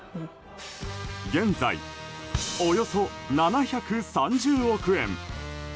現在、およそ７３０億円！